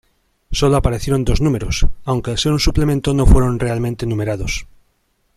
Sólo aparecieron dos números, aunque al ser un suplemento no fueron realmente numerados.